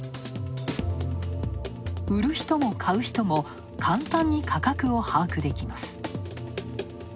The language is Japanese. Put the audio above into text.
売る人も買う人も簡単に価格を把握できます。